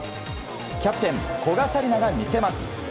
キャプテン古賀紗理那が見せます。